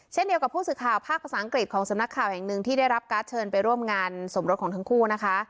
เช่นเดียวกับผู้สื่อข่าวภาคภาษาอังกฤษของสำนักข่าวแห่งหนึ่งที่ได้รับการ์ดเชิญไปร่วมงานสมรสของทั้งคู่นะคะ